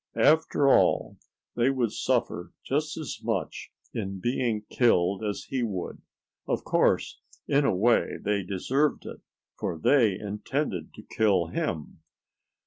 After all they would suffer just as much in being killed as he would. Of course, in a way they deserved it, for they intended to kill him.